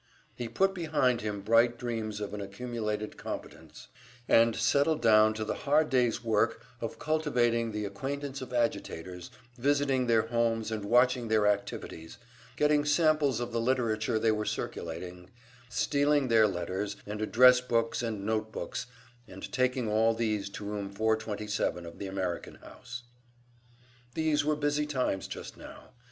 He put behind him bright dreams of an accumulated competence, and settled down to the hard day's work of cultivating the acquaintance of agitators, visiting their homes and watching their activities, getting samples of the literature they were circulating, stealing their letters and address books and note books, and taking all these to Room 427 of the American House. These were busy times just now.